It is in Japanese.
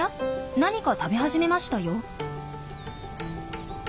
何か食べ始めましたよ。